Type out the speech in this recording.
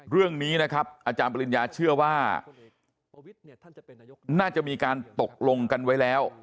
เรื่องนี้นะครับอาจารย์ปริญญาเชื่อว่าน่าจะมีการตกลงกันไว้แล้ว